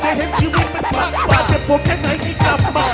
แต่เห็นชีวิตแม่นพากปะเจ็บโกรธแค่ไหนให้กลับมา